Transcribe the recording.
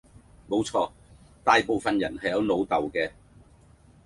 冇錯，大部份人係有老豆嘅